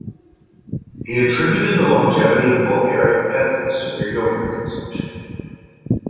He attributed the longevity of Bulgarian peasants to their yogurt consumption.